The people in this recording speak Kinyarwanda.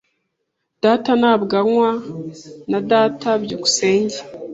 "Data ntabwo anywa." "Na data." byukusenge